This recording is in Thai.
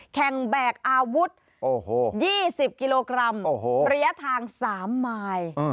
แข่งแบกอาวุธ๒๐กิโลกรัมระยะทาง๓ไมล์